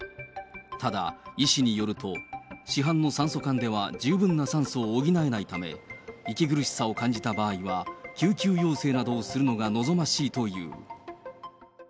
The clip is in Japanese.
ただ、医師によると、市販の酸素缶では十分な酸素を補えないため、息苦しさを感じた場合は、救急要請などをするのが望ましいという。